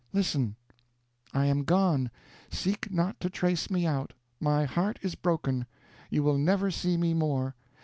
Listen: 'I am gone; seek not to trace me out; my heart is broken; you will never see me more.